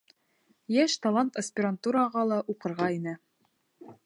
Йәш талант аспирантураға ла уҡырға инә.